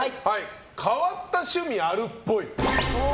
変わった趣味があるっぽい。